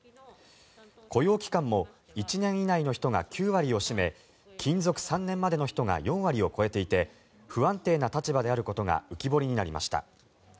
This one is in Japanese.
雇用期間も１年以内の人が９割を占め勤続３年までの人が４割を超えていて不安定な立場であることが浮き彫りになりました。